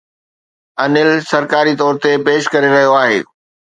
ANIL سرڪاري طور تي پيش ڪري رهيو آهي